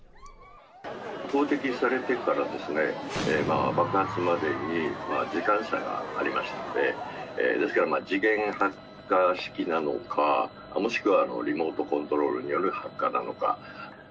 投てきされてから、爆発までに時間差がありましたので、ですから時限発火式なのか、もしくはリモートコントロールによる発火なのか。